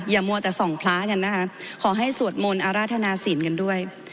อย่ามัวแต่สองพล้ากันนะคะขอให้สวดมนต์อารทนาศีลกันด้วย